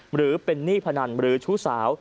หรือเป็นหนี้พนันหรือชู้สาว